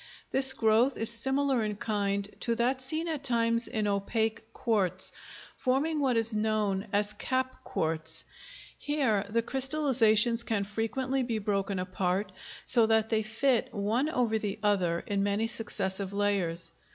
This growth is similar in kind to that seen at times in opaque quartz, forming what is known as cap quartz; here the crystallizations can frequently be broken apart so that they fit one over the other in many successive layers.